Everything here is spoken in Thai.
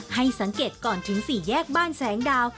ให้สังเกตก่อนถึง๔แยกบ้านแสงดาว